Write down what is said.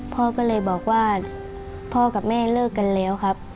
พ่อก็เลยบอกว่าพ่อกับแม่เลิกกันแล้วครับ